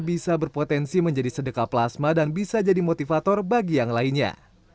bisa berpotensi menjadi sedekah plasma dan bisa jadi motivator bagi yang lainnya